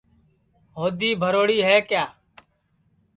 ہودی بھروڑی ہے کِیا